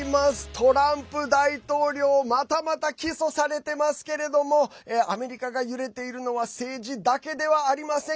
トランプ大統領またまた起訴されてますけれどもアメリカが揺れているのは政治だけではありません。